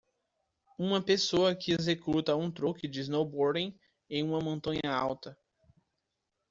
Uma pessoa que executa um truque do snowboarding em uma montanha alta.